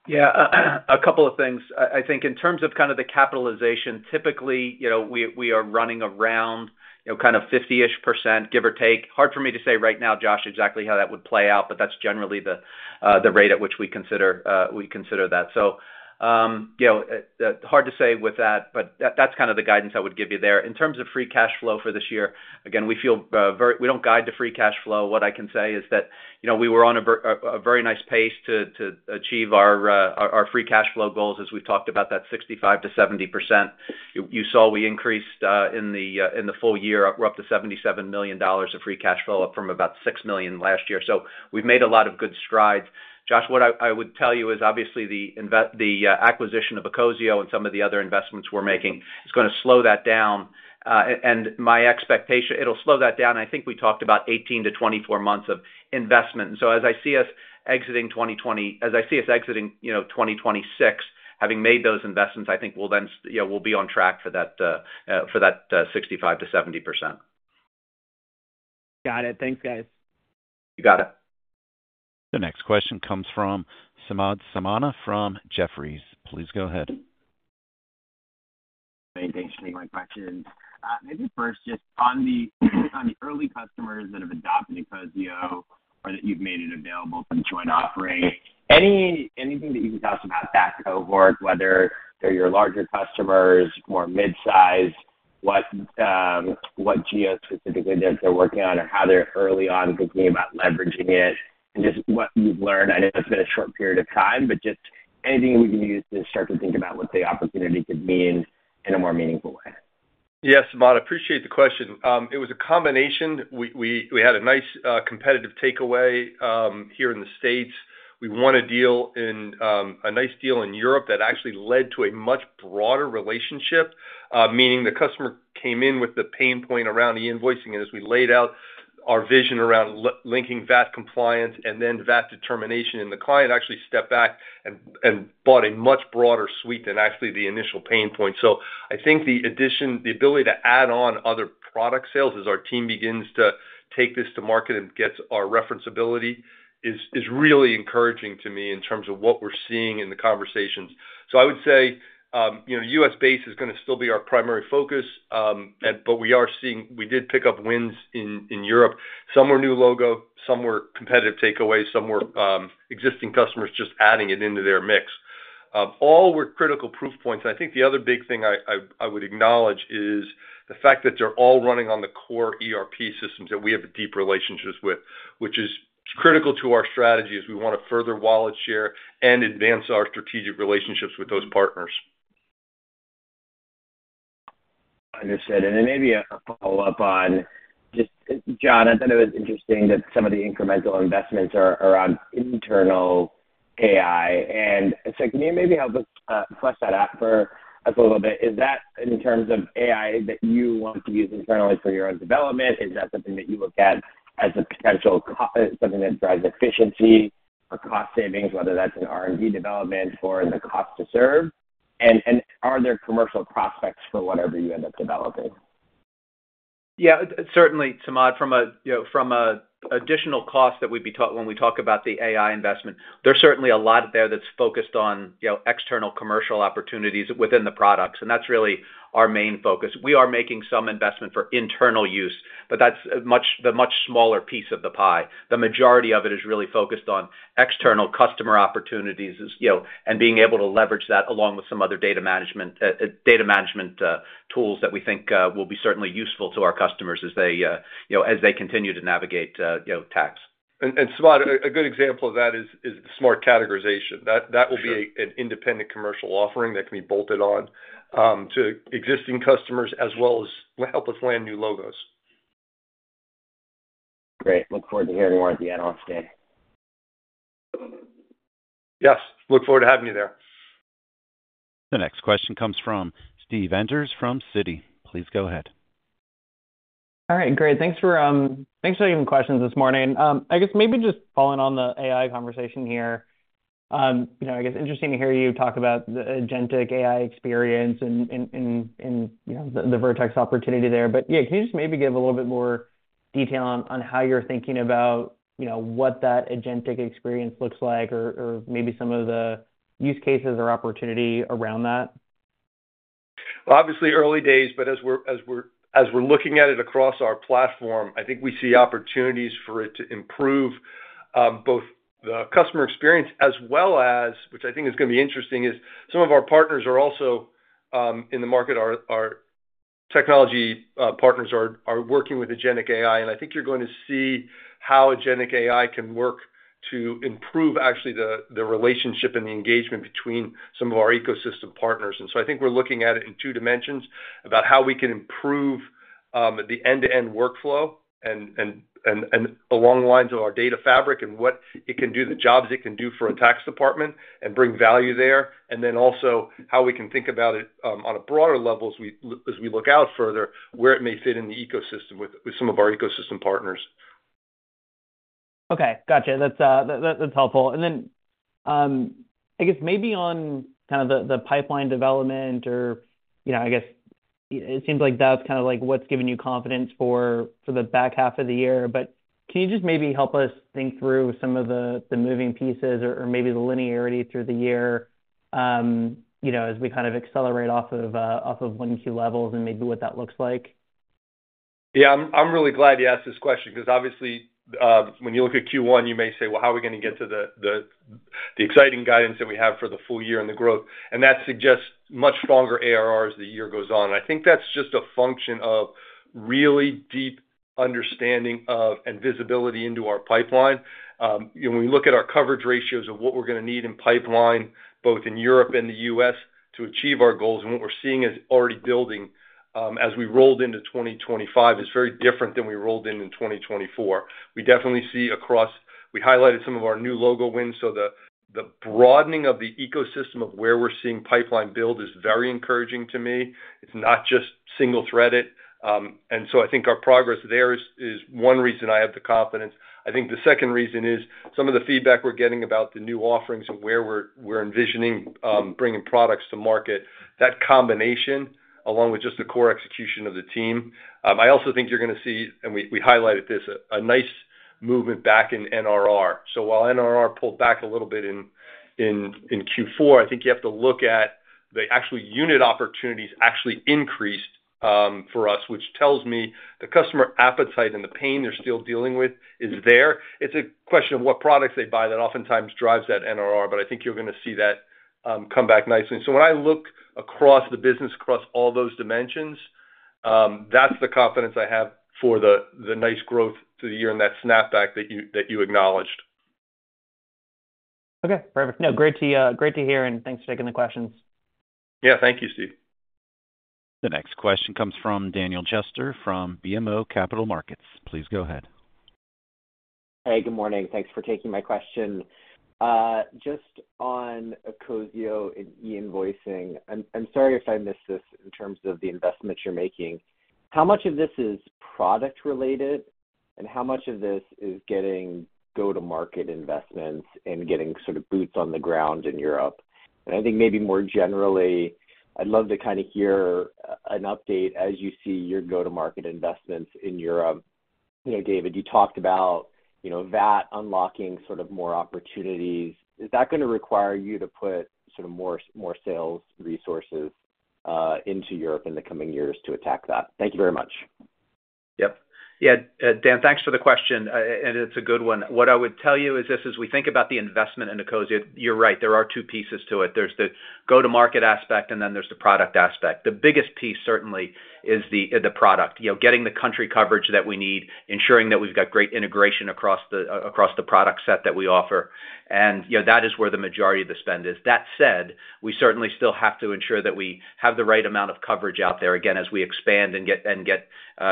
Yeah, a couple of things I think in terms of kind of the capitalization, typically we are running around kind of 50%, give or take. Hard for me to say right now, Josh, exactly how that would play out, but that's generally the rate at which we consider that so. Hard to say with that, but that's kind of the guidance I would give you there in terms of free cash flow for this year. Again, we feel we don't guide to free cash flow. What I can say is that we were on a very nice pace to achieve our free cash flow goals. As we've talked about that 65%-70% you saw we increased in the full year, we're up to $77 million of free cash flow, up from about $6 million last year. So we've made a lot of good strides. Josh, what I would tell you is obviously the acquisition of Ecosio and some of the other investments we're making is going to slow that down. And my expectation it'll slow that down. I think we talked about 18-24 months of investment. As I see us exiting 2020, as I see us exiting 2026 having made those investments, I think we'll then be on track for that 65%-70%. Got. It. Thanks, guys. You got. The next question comes from Samad Samana from Jefferies. Please go. Ahead. Thanks for taking my question. Maybe first just on the early customers that have adopted Ecosio or that you've made it available for the joint offering, anything that you can tell us about that cohort, whether they're your larger customers, more mid-sized? What GEO specifically they're working on, or how they're early on thinking about leveraging it, and just what you've learned. I know it's been a short period of time, but just anything we can use to start to think about what the opportunity could mean in a more meaningful. Yeah. Yes, Samad, I appreciate the question. It was a combination. We had a nice competitive takeaway here in the States. We won a nice deal in Europe that actually led to a much bigger, broader relationship, meaning the customer came in with the pain point around the invoicing. And as we laid out our vision around linking VAT compliance and then VAT determination and the client actually stepped back and bought a much broader suite than actually the initial pain point. So I think the addition, the ability to add on other product sales as our team begins to take this to market and gets our referenceability is really encouraging to me in terms of what we're seeing in the conversations. So I would say, you know, U.S. base is going to still be our primary focus, but we are seeing we did pick up wins in Europe. Some were new logo, some were competitive takeaways, some were existing customers just adding it into their mix. All were critical proof points. I think the other big thing I would acknowledge is the fact that they're all running on the core ERP systems that we have deep relationships with, which is critical to our strategy as we want to further wallet share and advance our strategic relationships with those. Partners. Understood, and then maybe a follow-up on just John. I thought it was interesting that some of the incremental investments are around internal AI, and so can you maybe help us flesh that out for us a little bit? Is that in terms of AI that you want to use internally for your own development? Is that something that you look at as a potential something that drives efficiency or cost savings, whether that's an R&D development or in the cost to serve? And are there commercial prospects for whatever you end up? Yeah, certainly Samad. From additional cost that we'd be talking about when we talk about the AI investment, there's certainly a lot there that's focused on external commercial opportunities within the products and that's really our main focus. We are making some investment for internal use but that's much smaller. Piece of the majority. Of it is really focused on external customer opportunities and being able to leverage that along with some other data management tools that we think will be certainly useful to our customers as they continue to navigate tax and. A good example of that is Smart Categorization that will be an independent commercial offering that can be bolted on to existing customers as well as help us land new. Logos. Great. Look forward to hearing more at the analyst. Day. Yes, look forward to having you. There. The next question comes from Steve Enders from. Citi. Please go. Ahead. All right. Great. Thanks. Thanks for taking questions this morning. I guess maybe just following on the AI conversation here. I guess interesting to hear you talk about the agentic AI experience in the Vertex opportunity there. But yeah, can you just maybe give a little bit more detail on how you're thinking about what that agentic experience looks like or maybe some of the use cases or opportunity around that. Obviously early days, but as we're looking at it across our platform, I think we see opportunities for it to improve both the customer experience as well as, which I think is going to be interesting, some of our partners are also in the market. Technology partners are working with agentic AI. And I think you're going to see how agentic AI can work to improve actually the relationship and the engagement. Between some of our ecosystem. Partners. And so I think we're looking at it in two dimensions about how we can improve the end-to-end workflow. Along the lines of our data fabric and what it can do, the jobs it can do for a tax department and bring value there, and then also how we can think about it on a broader level as we look out further where it may fit in the ecosystem with some of our ecosystem. Partners. Okay, gotcha. That's helpful. And then I guess maybe on kind of the pipeline development or I guess it seems like that's kind of like what's given you confidence for the back half of the year. But can you just maybe help us think through some of the moving pieces or maybe the linearity through the year, you know, as we kind of accelerate off of 1Q levels and maybe what that looks? Like? Yeah, I'm really glad you asked this question because obviously when you look at Q1 you may say, well, how are we going to get to the exciting guidance that we have for the full year and the growth and that suggests much stronger ARR as the year goes on. I think that's just a function of really deep understanding of and visibility into our pipeline. When we look at our coverage ratios of what we're going to need in pipeline both in Europe and the U.S. to achieve our goals. And what we're seeing is already building as we rolled into 2025 is very different than we rolled in in 2024. We definitely see across, we highlighted some of our new logo wins. So the broadening of the ecosystem of where we're seeing pipeline build is very encouraging to me. It's not just single threaded. And so I think our progress there is one reason I have the confidence. I think the second reason is some of the feedback we're getting about the new offerings and where we're envisioning bringing products to market. That combination along with just the core execution of the team, I also think you're going to see and we highlighted this a nice movement back in NRR. So while NRR pulled back a little bit in Q4, I think you have to look at the actual unit opportunities actually increased for us, which tells me the customer appetite and the pain they're still dealing with is there. It's a question of what products they buy that oftentimes drives that NRR, but I think you're going to see that come back nicely. So, when I look across the business across all those dimensions, that's the confidence I have for the nice growth through the year and that snapback that you. Acknowledged. Okay, perfect. No, great to hear and thanks for taking the. Questions. Yeah, thank you. Steve. The next question comes from Daniel Jester from BMO Capital Markets. Please go ahead. Hey, good morning. Thanks for taking my question. Just on Ecosio and e-invoicing, I'm sorry if I missed this. In terms of the investments you're making, how much of this is product related and how much of this is getting go to market investments and getting sort of boots on the ground in Europe and I think maybe more generally, I'd love to kind of hear an update as you see your go to market investments in Europe. David, you talked about VAT unlocking more opportunities. Is that going to require you to put more sales resources into Europe in the coming years to attack that? Thank you very. Much. Thanks for the question and it's a good one. What I would tell you is this. As we think about the investment in Ecosio, you're right, there are two pieces to it. There's the go to market aspect and then there's the product aspect. The biggest piece certainly is the product getting the country coverage that we need, ensuring that we've got great integration across the product set that we offer and that is where the majority of the spend is. That said, we certainly still have to ensure that we have the right amount of coverage out there. Again, as we expand and get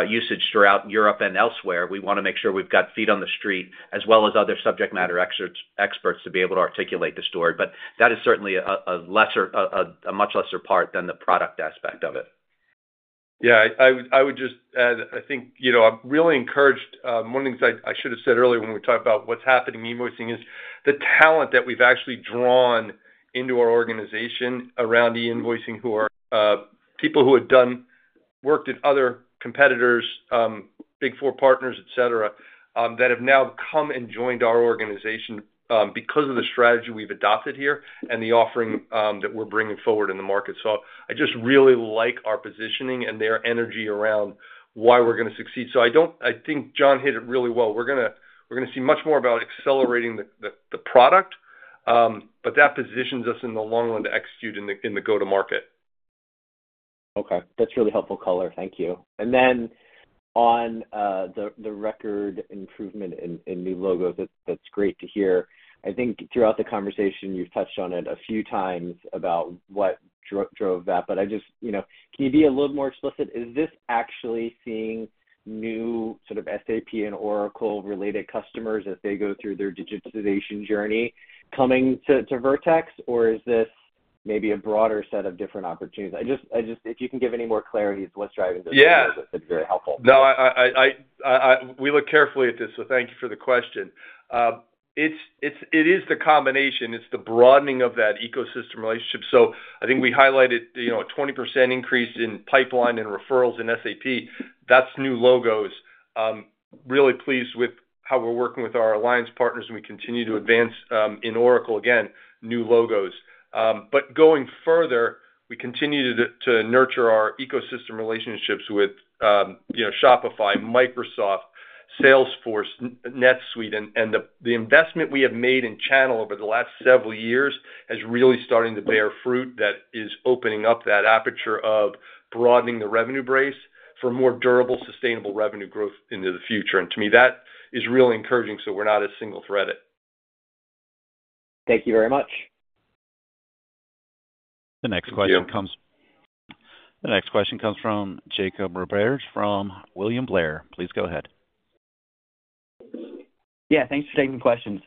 usage throughout Europe and elsewhere, we want. To make sure we've got feet on. The street as well as other subject matter experts to be able to articulate the story, but that is certainly a much lesser part than the product aspect of. Yeah, I would just add, I think, you know, I'm really encouraged. One thing I should have said earlier when we talked about what's happening invoicing is the talent that we've actually drawn into our organization around e-invoicing who are people who worked at other competitors, Big Four partners, et cetera, that have now come and joined our organization because of the strategy we've adopted here and the offering that we're bringing forward in the market. So I just really like our positioning and their energy around why we're going to succeed. So I think John hit it really well. We're going to see much more about accelerating the product. But that positions us in the long run to execute in the go-to-market. Okay, that's really. Helpful. Color. Thank you. And then on the record improvement in new logos. That's great to hear. I think throughout the conversation you've touched on it a few times about what drove that. But I just, you know, can you be a little more explicit? Is this actually seeing new sort of SAP and Oracle related customers as they go through their digitization journey coming to Vertex or is this maybe a broader set of different opportunities? I just, I just. If you can give any more clarity what's driving those, that'd be very. Helpful. No, we look carefully at this. So thank you for the question. It is the combination. It's the broadening of that ecosystem relationship, so I think we highlighted, you know, a 20% increase in pipeline and referrals in SAP. That's new logos. Really pleased with how we're working with our alliance partners and we continue to advance in Oracle. Again, new logos, but going further, we continue to nurture our ecosystem relationships with Shopify, Microsoft, Salesforce, NetSuite. And the investment we have made in channel over the last several years is really starting to bear fruit that is opening up that aperture of broadening the revenue base for more durable, sustainable revenue growth into the future, and to me that is really encouraging, so we're not as single-threaded. Thank you very. Much. The next question comes from Jacob Roberge from William Blair. Blair. Please go. Ahead. Yeah, thanks for taking questions.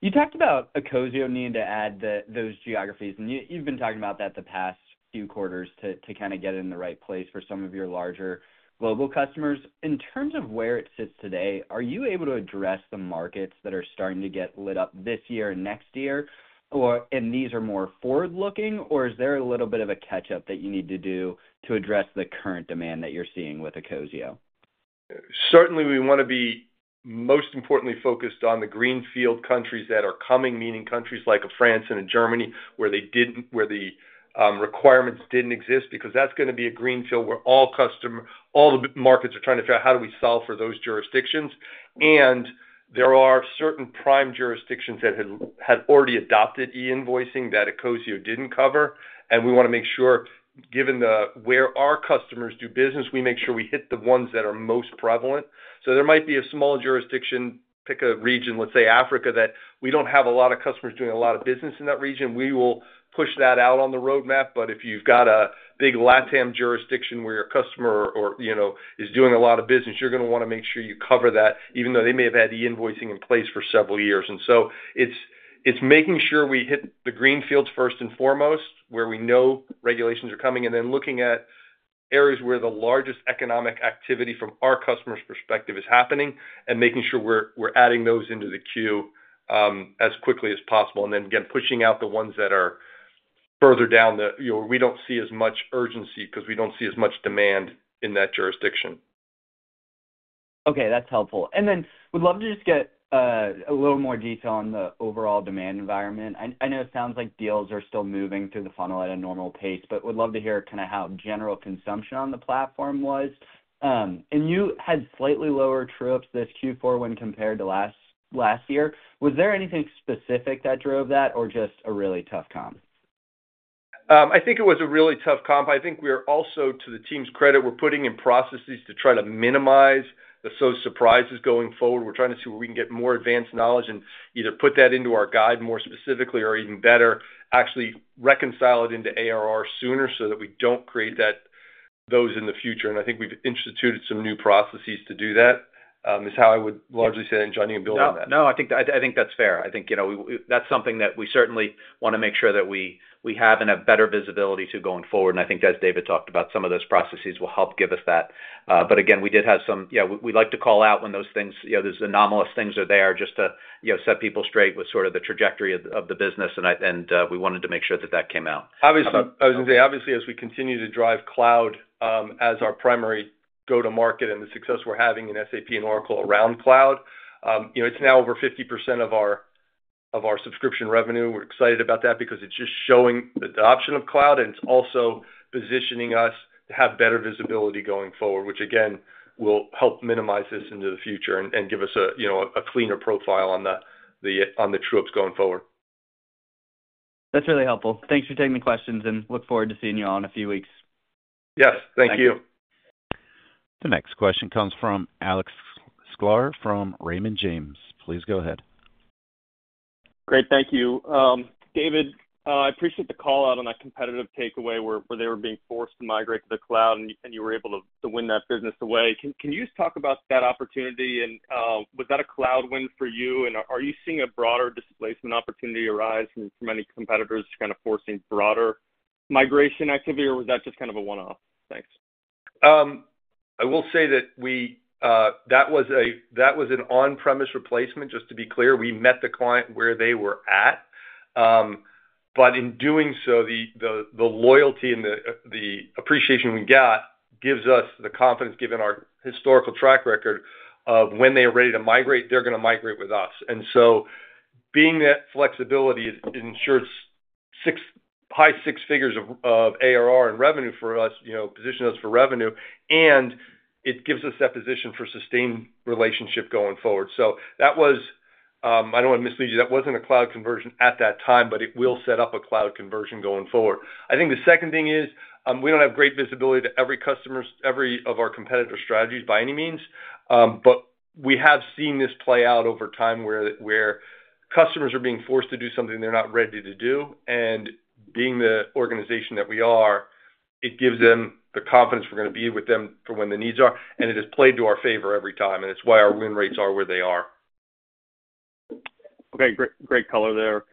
You talked about Ecosio needing to add those geographies and you've been talking about that the past few quarters to kind of get in the right place for some of your larger global customers in terms of where it sits today. Are you able to address the markets that are starting to get lit up this year and next year and these are more forward looking or is there a little bit of a catch up that you need to do to address the current demand that you're seeing with? Ecosio. Certainly we want to be most importantly focused on the greenfield countries that are coming, meaning countries like France and Germany where they didn't, where the requirements didn't exist because that's going to be a greenfield where all customers. All the markets are trying to figure out how do we solve for those jurisdictions. And there are certain prime jurisdictions that had already adopted e-invoicing that Ecosio didn't cover. And we want to make sure, given where our customers do business, we make sure we hit the ones that are most prevalent. So there might be a small jurisdiction, pick a region, let's say Africa, that we don't have a lot of customers doing a lot of business in that region, we will push that out on the roadmap. But if you've got a big LATAM jurisdiction where your customer is doing a lot of business, you're going to want to make sure you cover that, even though they may have had the. Invoicing in place for several. Years, and so it's making sure we hit the greenfields first and foremost where we know regulations are coming and then looking at areas where the largest economic activity from our customers perspective is happening and making sure we're adding those into the queue as quickly as possible and then again pushing out the ones that are further down the. We don't see as much urgency because we don't see as much demand in that jurisdiction. Okay, that's helpful. And then we'd love to just get a little more detail on the overall demand environment. I know it sounds like deals are still moving through the funnel at a normal pace, but would love to hear kind of how general consumption on the platform was and you had slightly lower true-ups this Q4 when compared to last year. Was there anything specific that drove that or just a really tough comp? I think it was a really tough comp. I think we are also, to the team's credit, we're putting in processes to try to minimize the surprises going forward. We're trying to see where we can get more advanced knowledge and either put that into our guide more specifically or even better actually reconcile it into ARR sooner so that we don't create those in the future. And I think we've instituted some new processes to do that. Is how I would largely say that. Johnny can build on. That. No, I think that's fair. I think that's something that we certainly want to make sure that we have and have better visibility to going forward. And I think as David talked about, some of those processes will help give us that. But again, we did have some, you know, we like to call out when those things, you know, those anomalous things are there just to, you know, set people straight with sort of the trajectory of the business. And I, we wanted to make sure that that came out. Obviously. I was going to say obviously as we continue to drive cloud as our primary go to market and the success we're having in SAP and Oracle around cloud, you know, it's now over 50% of our subscription revenue. We're excited about that because it's just showing adoption of cloud and it's also positioning us to have better visibility going forward which again will help minimize this into the future and give us a, you know, a cleaner profile on the true ups going forward. That's really helpful. Thanks for taking the questions and look forward to seeing you all in a few weeks. Yes, thank you. The next question comes from Alex Sklar, from Raymond James, please go. Great, thank you David. I appreciate the call out on that competitive takeaway where they were being forced to migrate to the cloud and you were able to win that business away. Can you talk about that opportunity? And was that a cloud win for? Are you seeing a broader displacement opportunity arise from any competitors kind of forcing broader migration activity or was that just kind of a one off? Thanks. I will say that. That was an on-premises replacement. Just to be clear, we met the client where they were at, but in doing so, the loyalty and the appreciation we got gives us the confidence, given our historical track record, of when they are ready to migrate; they're going to migrate with us. And so being that flexibility ensures high six figures of ARR and revenue for us, you know, position us for revenue and it gives us that position for sustained relationship going forward. So that was; I don't want to mislead you; that wasn't a cloud conversion at that time, but it will set up a cloud conversion going forward. I think the second thing is we don't have great visibility to every customer's view of our competitor strategies by any means. But we have seen this play out over time where customers are being forced to do something they're not ready to do. And being the organization that we are, it gives them the confidence we're going to be with them for when the needs are and it has played to our favor every time and it's why our win rates are where they. Are. Okay, great, great color there.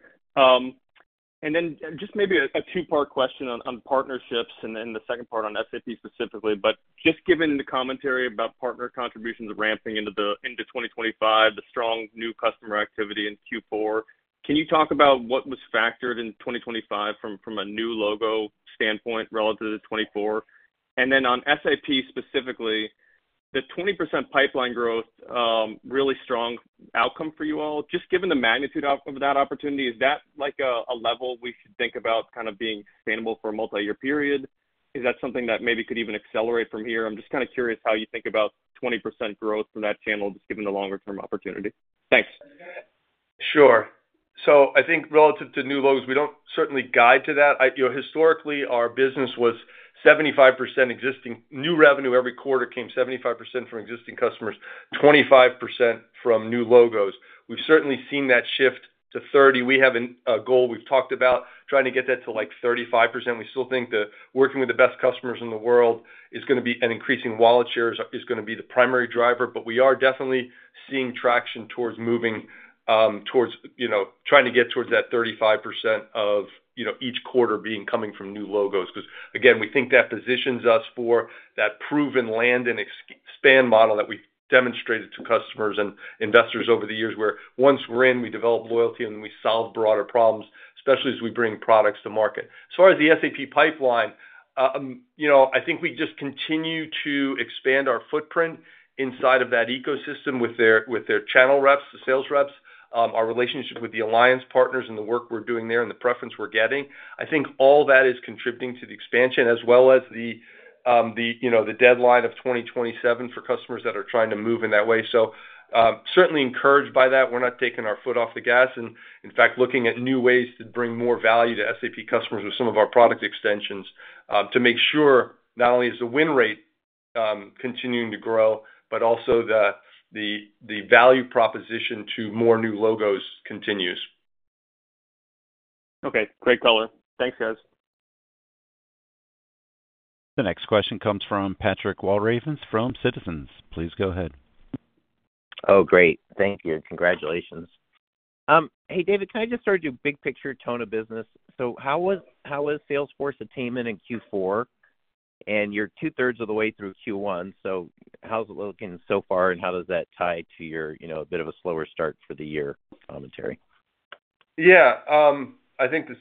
And then just maybe a two part question on partnerships and then the second part on SAP specifically. But just given the commentary about partner contributions ramping into 2025, the strong new customer activity in Q4, can you talk about what was factored in 2025 from a new logo standpoint? Relative to 24 and then on SAP specifically the 20% pipeline growth, really strong. Outcome for you all just given the magnitude of that opportunity. Is that like a level we should think about kind of being sustainable for a multi-year period? Is that something that maybe could even accelerate from here? I'm just kind of curious how you think about 20% growth from that channel just given the longer-term opportunity. Thanks. Sure. So I think relative to new logos, we don't certainly guide to that. Historically our business was 75% existing new revenue. Every quarter came 75% from existing customers, 25% from new logos. We've certainly seen that shift to 30%. We have a goal, we've talked about trying to get that to like 35%. We still think that working with the best customers in the world is going to be an increasing wallet share is going to be the primary driver. But we are definitely seeing traction towards moving towards, you know, trying to get towards that 35% of, you know, each quarter being coming from new logos because again, we think that positions us for that proven land and expand model that we demonstrated to customers and investors over the years where once we're in, we develop loyalty and we solve broader problems, especially as we bring products to market. As far as the SAP pipeline, you know, I think we just continue to expand our footprint inside of that ecosystem with their channel reps, the sales reps, our relationship with the alliance partners and the work we're doing there and the preference we're getting, I think all that is contributing to the expansion as well as the deadline of 2027 for customers that are trying to move in that way. So certainly encouraged by that, we're not taking our foot off the gas and in fact looking at new ways to bring more value to SAP customers with some of our product extensions to make sure not only is the win rate continuing to grow, but also the value proposition to more new logos. Continues. Okay, great. Color. Thanks. Guys. The next question comes from Patrick Walravens from. Citizens. Please go ahead. Oh, great. Thank you. Congratulations. Hey, David, can I just start your big picture tone of business. So how was Salesforce attainment in Q4? And you're 2/3 of the way through Q1, so how's it looking so far and how does that tie to your, you know, a bit of a slower start for the year. Commentary? Yeah, I think this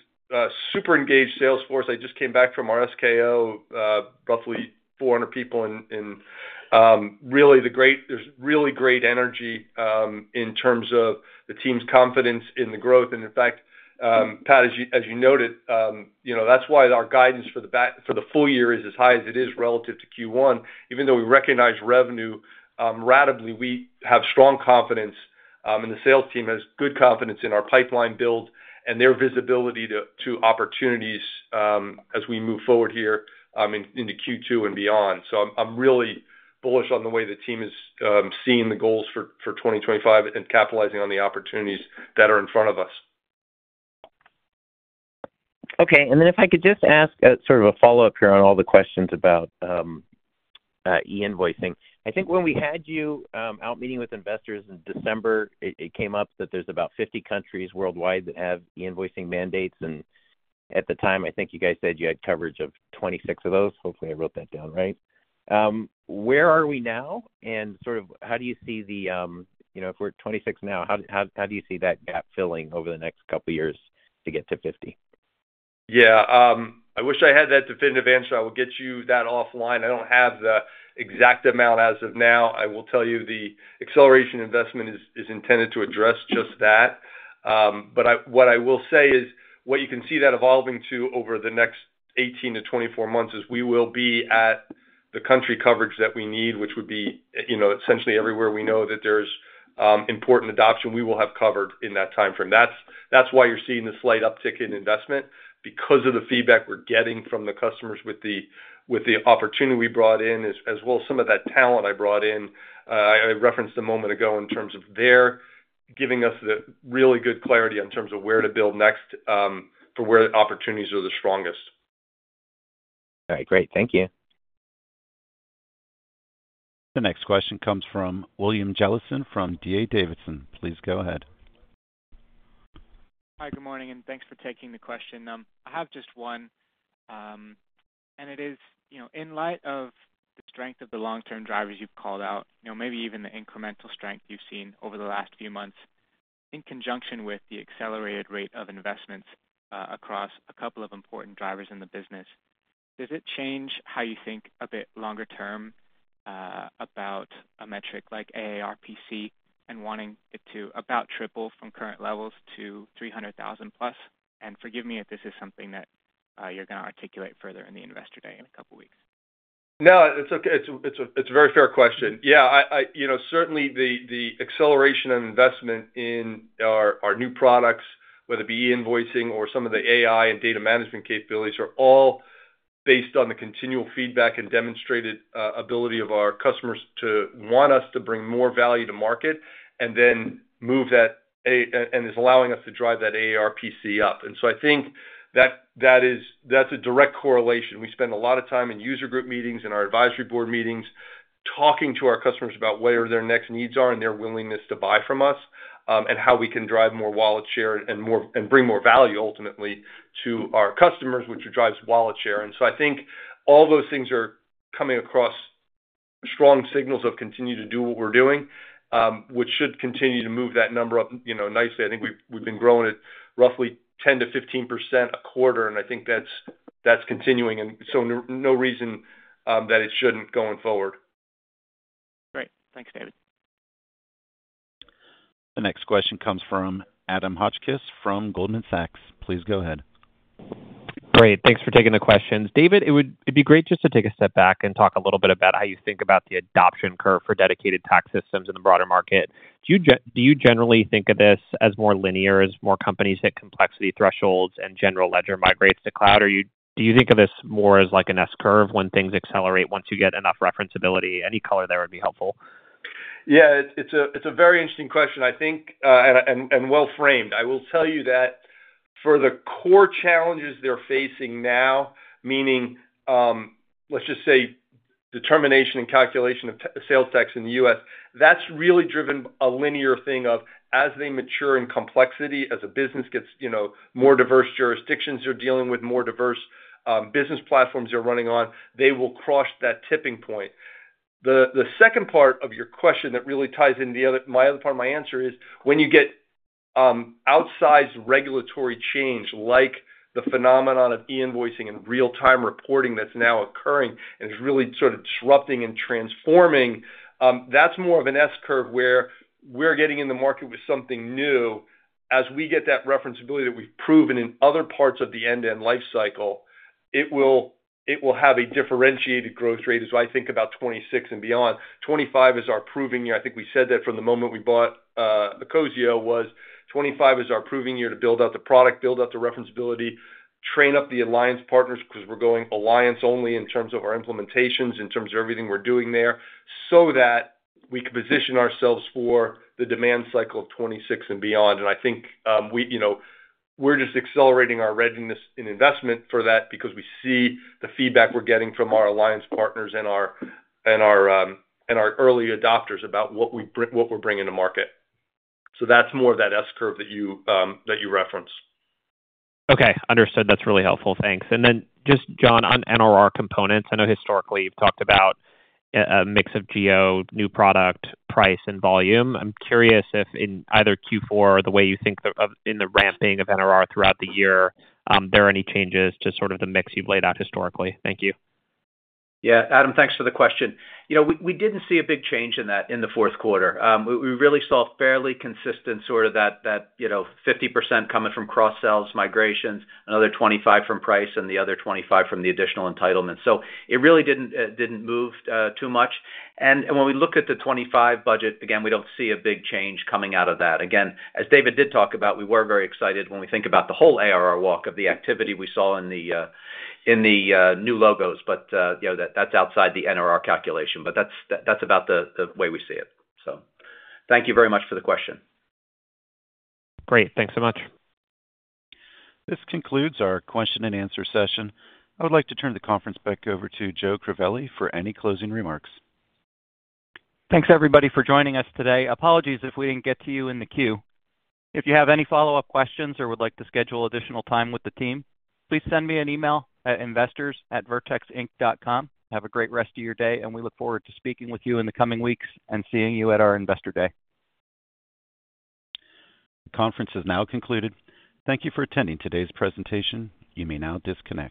super engaged Salesforce. I just came back from our SKO roughly 400 people and really, there's really great energy in terms of the team's confidence in the growth and in fact, Pat, as you noted, you know, that's why our guidance for the full year is as high as it is relative to Q1. Even though we recognize revenue ratably, we have strong confidence and the sales team has good confidence in our pipeline build and their visibility to opportunities as we move forward here into Q2 and beyond. So I'm really bullish on the way the team is seeing the goals for 2025 and capitalizing on the opportunities that are in front. Of. Okay, and then if I could just ask sort of a follow-up here on all the questions about. e-invoicing. I think when we had you out meeting with investors in December, it came up that there's about 50 countries worldwide that have e-invoicing mandates. And at the time I think you guys said you had coverage of 26 of those. Hopefully I wrote that down. Right. Where are we now? And sort of how do you see. If we're 26 now, how do you see that gap filling over the next couple years to get to. 50? Yeah, I wish I had that definitive answer. I will get you that offline. I don't have the exact amount as of now. I will tell you the acceleration investment is intended to address just that. But what I will say is what you can see that evolving to over the next 18-24 months is we will be at the country coverage that we need, which would be, you know, essentially everywhere. We know that there's important adoption we will have covered in that time frame. That's why you're seeing the slight uptick in investment, because of the feedback we're getting from the customers with the opportunity we brought in, as well as some of that talent I brought in, I referenced a moment ago in terms of their giving us the really good clarity in terms of where to build next for where the opportunities are the. Strongest. All right. Great. Thank. You. The next question comes from William Jellison from D.A. Davidson. Please go. Ahead. Hi, good morning and thanks for taking the question. I have just one and it is, you know, in light of the strength of the long-term drivers you've called out, you know, maybe even the incremental strength you've seen over the last few months in conjunction with the accelerated rate of investments across a couple of important drivers in the business. Does it change how you think a bit longer term about a metric like AARPC and wanting it to about triple from current levels to 300,000+? And forgive me if this is something that you're going to articulate further in the Investor Day in a couple. Weeks. No, it's a very fair. Question. Yeah. Certainly the acceleration of investment in our new products, whether it be invoicing or some of the AI and data management capabilities, are all based on the continual feedback and demonstrated ability of our customers to want us to bring more value to market and then move that and is allowing us to drive that AARPC up. And so I think that's a direct correlation. We spend a lot of time in user group meetings and our advisory board meetings talking to our customers about what their next needs are and their willingness to buy from us and how we can drive more wallet share and bring more value ultimately to our customers, which drives wallet share. And so I think all those things are coming across strong signals of continue to do what we're doing, which should continue to move that number up nicely. I think we've been growing it roughly 10%-15% a quarter, and I think that's continuing, and so no reason that it shouldn't going. Forward. Great. Thanks. David. The next question comes from Adam Hotchkiss from Goldman Sachs. Please go ahead. Great. Thanks for taking the questions. David, it would be great just to take a step back and talk a little bit about how you think about the adoption curve for dedicated tax systems in the broader market. Do you generally think of this as more linear as more companies hit complexity thresholds and general ledger migrates to cloud? Do you think of this more as like an S-curve when things accelerate once you get enough referenceability? Any color there would be. Helpful. Yeah. It's a very interesting question, I think, and well framed. I will tell you that for the core challenges they're facing now, meaning, let's just say determination and calculation of sales tax in the U.S. That's really driven a linear thing of as they mature in complexity, as a business gets, you know, more diverse jurisdictions, they're dealing with more diverse business platforms they're running on, they will cross that tipping point. The second part of your question that really ties into my other part of my answer is when you get outsized regulatory change like the phenomenon of e-invoicing and real-time reporting that's now occurring and is really sort of disrupting and transforming. That's more of an S-curve where we're getting in the market with something new. As we get that reference ability that we've proven in other parts of the end to end life cycle, it will have a differentiated growth rate as I think about 2026 and beyond. 2025 is our proving year. I think we said that from the moment we bought the Ecosio was 2025 is our proving year to build out the product, build up the reference ability, train up the alliance partners, because we're going alliance only in terms of our implementations, in terms of everything we're doing there so that we can position ourselves for the demand cycle of 2026 and beyond, and I think we're just accelerating our readiness in investment for that because we see the feedback we're getting from our alliance partners. and our early adopters about what we're bringing to market. so that's more of that S-curve that you. Reference. Okay, understood. That's really helpful, thanks. And then just John, on NRR components, I know historically you've talked about a mix of geo new product price and volume. I'm curious if in either Q4 or the way you think in the ramping of NRR throughout the year there are any changes to sort of the mix you've laid out historically. Thanks. Yeah, Adam, thanks for the question. You know, we didn't see a big change in that in the fourth quarter. We really saw fairly consistent sort of that, you know, 50% coming from cross sells migrations, another 25% from price and the other 25% from the additional entitlement. So it really didn't move too much. And when we look at the 2025 budget again, we don't see a big change coming out of that. Again, as David did talk about, we were very excited when we think about the whole ARR walk of the activity we saw in the new logos. But that's outside the NRR calculation. But that's about the way we see. So thank you very much for the question. Great. Thanks so. Much. This concludes our question and answer session. I would like to turn the conference back over to Joe Crivelli for any closing. Remarks. Thanks, everybody, for joining us today. Apologies if we didn't get to you in the queue. If you have any follow-up. Questions or would like to schedule additional time with the team, please send me. email at investors@vertexinc.com. Have a great rest of your day, and we look forward to. Speaking with you in the coming weeks and seeing you at our Investor Day. The conference has now concluded. Thank you for attending today's presentation. You may now disconnect.